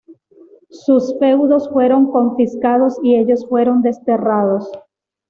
Sus feudos fueron confiscados y ellos fueron desterrados.